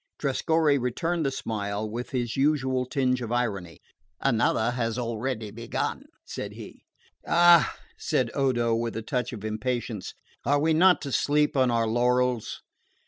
Trescorre returned the smile, with his usual tinge of irony. "Another has already begun," said he. "Ah," said Odo, with a touch of impatience, "are we not to sleep on our laurels?"